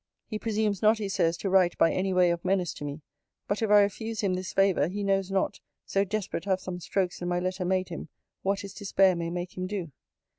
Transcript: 'He presumes not, he says, to write by way of menace to me; but if I refuse him this favour, he knows not (so desperate have some strokes in my letter made him) what his despair may make him do.'